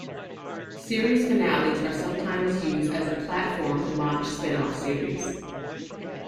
Series finales are sometimes used as a platform to launch spinoff series.